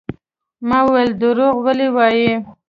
ما وويل دروغ ولې وايې.